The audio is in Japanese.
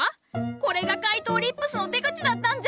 これが怪盗リップスの手口だったんじゃ！